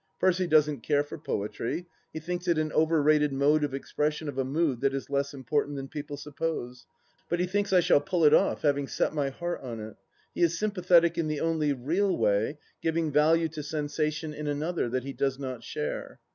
Percy doesn't care for poetry : he thinks it an overrated mode of expression of a mood that is less important than people suppose, but he thinks I shall pull it off, having set my heart on it. He is sympathetic in the only real way, giving value to sensation in another, that he does not share.